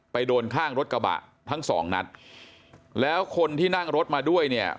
โดนข้างรถกระบะทั้งสองนัดแล้วคนที่นั่งรถมาด้วยเนี่ย